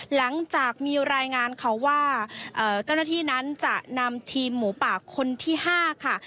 หลังจากมีรายงานเขาว่าเจ้าหน้าที่นั้นจะนำทีมหมูป่าคนที่๕ค่ะ